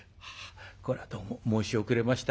これはどうも申し遅れました。